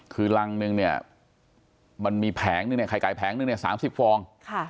คือ๑ลังมีแผงขายไข่หนึ่ง๓๐ฟอง